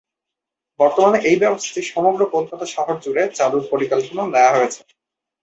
বর্তমানে এই ব্যবস্থাটি সমগ্র কলকাতা শহর জুড়ে চালুর পরিকল্পনা নেওয়া হয়েছে।